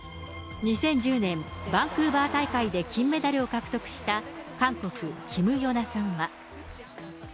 ２０１０年、バンクーバー大会で金メダルを獲得した韓国、キム・ヨナさんは。